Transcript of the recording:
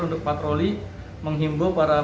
untuk patroli menghimbau para